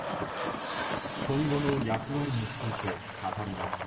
今後の役割について語りました。